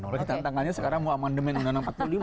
tapi tantangannya sekarang mau amendemen dengan empat puluh lima